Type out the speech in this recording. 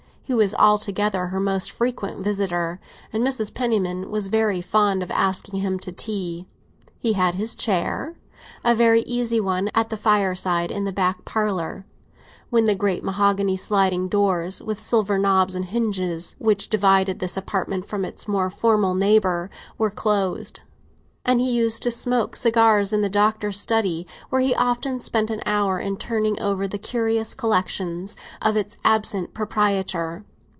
He was altogether her most frequent visitor, and Mrs. Penniman was very fond of asking him to tea. He had his chair—a very easy one at the fireside in the back parlour (when the great mahogany sliding doors, with silver knobs and hinges, which divided this apartment from its more formal neighbour, were closed), and he used to smoke cigars in the Doctor's study, where he often spent an hour in turning over the curious collections of its absent proprietor.